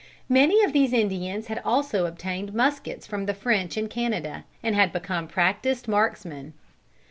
Many of these Indians had also obtained muskets from the French in Canada, and had become practiced marksmen.